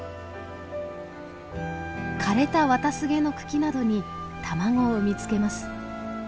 枯れたワタスゲの茎などに卵を産み付けます。